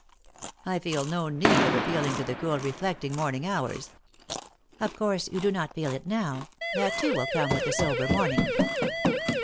"I feel no need of appealing to the cool reflecting morning hours." " Of course you do not feel it now ; that, too, will come with the sober morning."